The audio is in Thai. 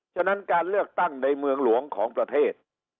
ฉะนั้นการเลือกตั้งในเมืองหลวงของประเทศ